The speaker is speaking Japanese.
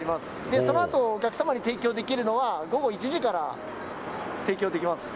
その後提供できるのは午後１時から提供できます。